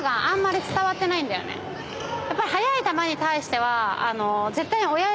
「やっぱり速い球に対しては」